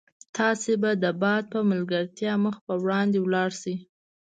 تاسي به د باد په ملګرتیا مخ په وړاندې ولاړ شئ.